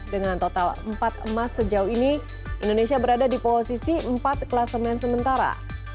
dengan total empat emas sejauh ini indonesia berada di posisi empat klasemen sementara